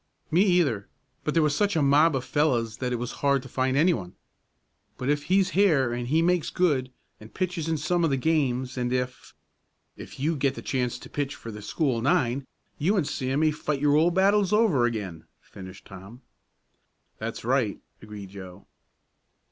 "Me, either. But there was such a mob of fellows that it was hard to find anyone. But if he's here and he makes good, and pitches in some of the games, and if " "If you get the chance to pitch for the school nine, you and Sam may fight your old battles over again," finished Tom. "That's right," agreed Joe.